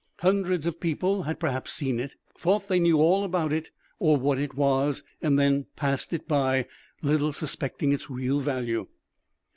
Hundreds of people had, perhaps, seen it, thought they knew all about it, or what it was, and then passed it by, little suspecting its real value.